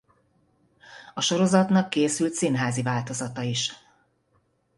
A sorozatnak készült színházi változata is.